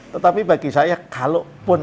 tetapi bagi saya kalau pun